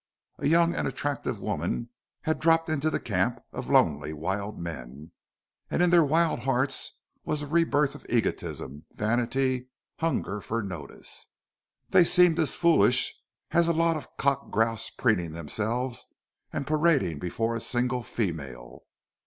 A young and attractive woman had dropped into the camp of lonely wild men; and in their wild hearts was a rebirth of egotism, vanity, hunger for notice. They seemed as foolish as a lot of cock grouse preening themselves and parading before a single female.